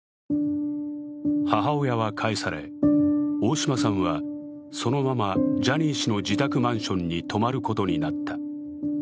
母親は帰され、大島さんはそのままジャニー氏の自宅マンションに泊まることになった。